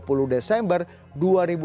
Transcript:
pertama di jawa timur di jawa timur